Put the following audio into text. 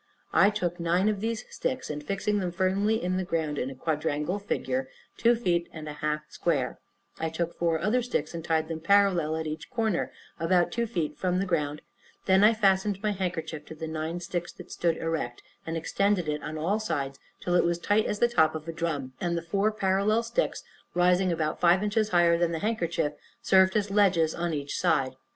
I took nine of these sticks, and fixing them firmly in the ground, in a quadrangular figure, two feet and a half square, I took four other sticks, and tied them parallel at each corner, about two feet from the ground; then I fastened my handkerchief to the nine sticks that stood erect, and extended it on all sides till it was as tight as the top of a drum; and the four parallel sticks, rising about five inches higher than the handkerchief, served as ledges on each side.